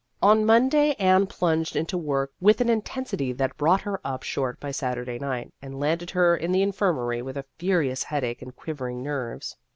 On Monday Anne plunged into work with an intensity that brought her up short by Saturday night, and landed her in the infirmary with a furious headache and quivering nerves.